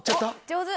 上手。